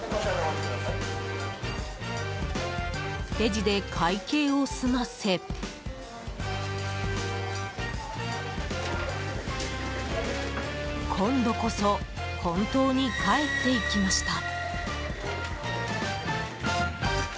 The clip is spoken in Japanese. レジで会計を済ませ、今度こそ本当に帰っていきました。